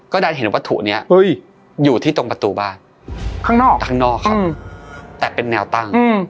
ได้เห็นวัตถุนี้อยู่ที่ตรงประตูบ้านข้างนอกข้างนอกครับแต่เป็นแนวตั้ง